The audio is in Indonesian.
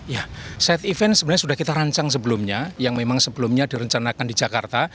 ya side event sebenarnya sudah kita rancang sebelumnya yang memang sebelumnya direncanakan di jakarta